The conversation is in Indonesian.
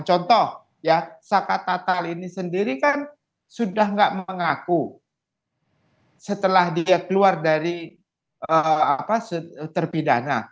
contoh ya sakat natal ini sendiri kan sudah tidak mengaku setelah dia keluar dari terpidana